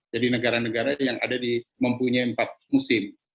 jadi negara negara yang mempunyai empat musim